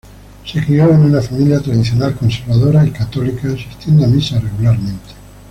Se crio en una familia tradicional, conservadora y católica, asistiendo a misa regularmente.